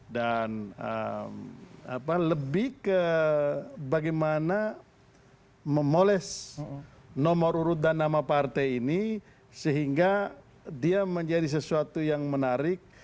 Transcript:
dan lebih ke bagaimana memoles nomor urut dan nama partai ini sehingga dia menjadi sesuatu yang menarik